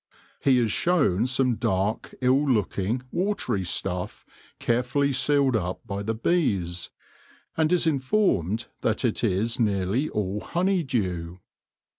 He is shown some dark, ill looking, watery stuff carefully sealed up by the bees, and is informed that it is nearly all honeydew.